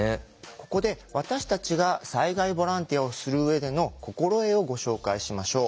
ここで私たちが災害ボランティアをする上での心得をご紹介しましょう。